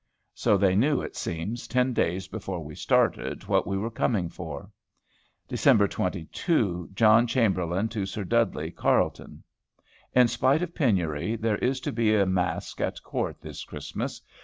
So they knew, it seems, ten days before we started, what we were coming for. Dec. 22. John Chamberlain to Sir Dudley Carleton. "In spite of penury, there is to be a masque at Court this Christmas.